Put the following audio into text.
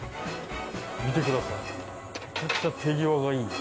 見てください。